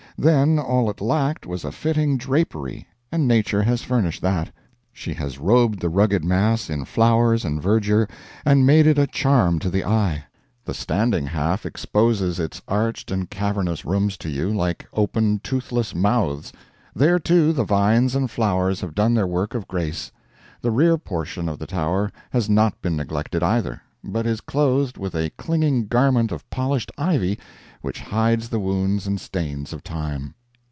Then all it lacked was a fitting drapery, and Nature has furnished that; she has robed the rugged mass in flowers and verdure, and made it a charm to the eye. The standing half exposes its arched and cavernous rooms to you, like open, toothless mouths; there, too, the vines and flowers have done their work of grace. The rear portion of the tower has not been neglected, either, but is clothed with a clinging garment of polished ivy which hides the wounds and stains of time.